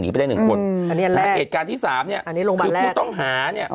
หนีไปได้๑คนและเหตุการณ์ที่๓คือผู้ต้องหา